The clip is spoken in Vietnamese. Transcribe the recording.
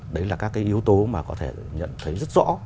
đấy là các cái yếu tố mà có thể nhận thấy rất rõ